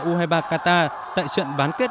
u hai mươi ba qatar tại trận bán kết